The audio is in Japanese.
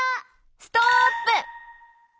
ストップ！